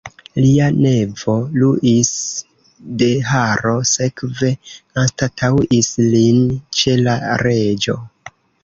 Lia nevo Luis de Haro sekve anstataŭis lin ĉe la reĝo.